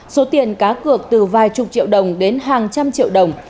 số tiền cá cược từ vài chục triệu đồng đến hàng trăm triệu đồng